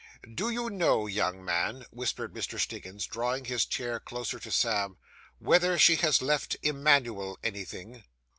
'Do you know, young man,' whispered Mr. Stiggins, drawing his chair closer to Sam, 'whether she has left Emanuel anything?